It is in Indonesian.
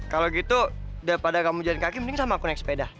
kalau gitu daripada kamu jalan kaki mending sama aku naik sepeda